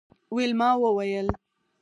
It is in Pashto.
ویلما وویل